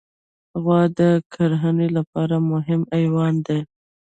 غوا د کرهڼې لپاره مهم حیوان دی.